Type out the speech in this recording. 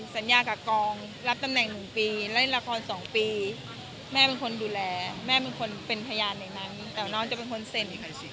สัญญากับกองรับตำแหน่ง๑ปีเล่นละคร๒ปีแม่เป็นคนดูแลแม่เป็นคนเป็นพยานในนั้นแต่น้องจะเป็นคนเซ็น